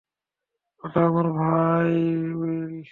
ওটা আমার ভাই উইল।